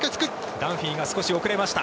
ダンフィーが少し遅れました。